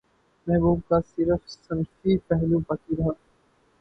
محبوب کا صرف صنفی پہلو باقی رہا